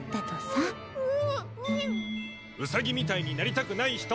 うさぎみたいになりたくない人。